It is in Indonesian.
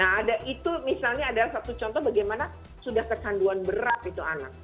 nah ada itu misalnya adalah satu contoh bagaimana sudah kecanduan berat itu anak